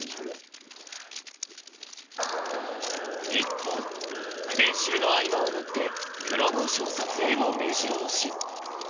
［一方練習の合間を縫ってプロモーション撮影もめじろ押し］